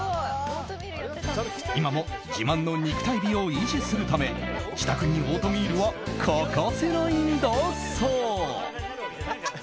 今も自慢の肉体美を維持するため自宅にオートミールは欠かせないんだそう。